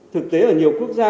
thực tế ở nhiều quốc gia